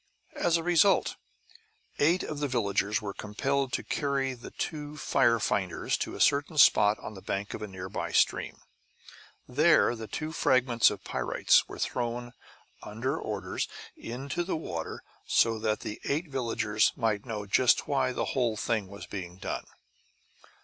As a result, eight of the villagers were compelled to carry the two fire finders to a certain spot on the bank of a nearby stream. Here the two fragments of pyrites were thrown, under orders, into the water; so that the eight villagers might know just why the whole thing was being done.